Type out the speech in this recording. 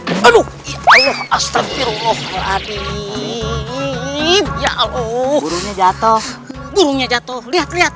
alhamdulillah aduh astagfirullahaladzim ya allah burungnya jatuh burungnya jatuh lihat lihat